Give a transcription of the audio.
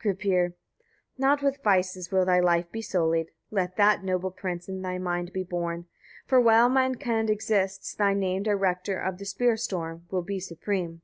Gripir. 23. Not with vices will thy life be sullied; let that, noble prince! in thy mind be borne; for while mankind exists, thy name, director of the spear storm! will be supreme.